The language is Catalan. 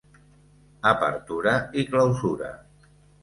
Apertura i Clausura.